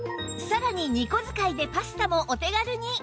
さらに２個使いでパスタもお手軽に